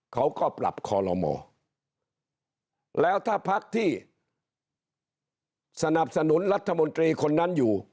เขาก็ปรับคอลโลมแล้วถ้าพักที่สนับสนุนรัฐมนตรีคนนั้นอยู่